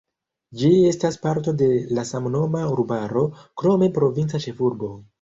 Ĝi estas parto de la samnoma urbaro, krome provinca ĉefurbo.